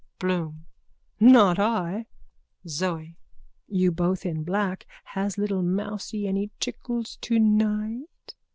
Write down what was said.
BLOOM: Not I! ZOE: You both in black. Has little mousey any tickles tonight?